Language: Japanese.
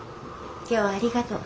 今日はありがとう。